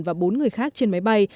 và bốn người khác trên máy bay